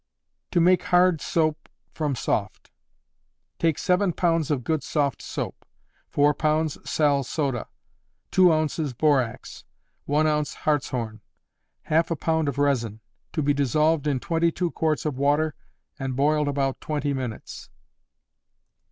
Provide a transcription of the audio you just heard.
To Make Hard Soap from Soft. Take seven pounds of good soft soap; four pounds sal soda; two ounces borax; one ounce hartshorn; half a pound of resin; to be dissolved in twenty two quarts of water, and boiled about twenty minutes.